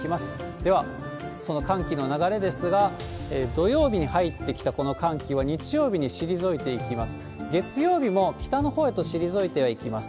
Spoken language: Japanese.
では、その寒気の流れですが、土曜日に入ってきたこの寒気は、日曜日に退いていきます。